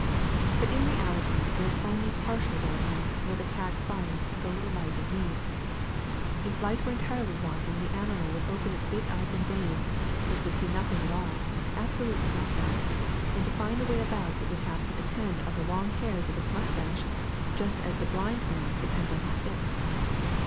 *^But in reality there is only partial darkness where the cat finds the little light it needs. If light were entirely wanting the animal would open its big eyes in vain ; it would see nothing at all, absolutely nothing ; and to find the way about it would have to depend on the long hairs of its mustache, just as the blind man depends on his stick.